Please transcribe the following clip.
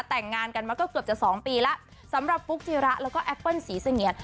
แต่งงานกันมาก็เกือบจะสองปีแล้วสำหรับฟุ๊กจิระแล้วก็แอปเปิ้ลสีเสงียน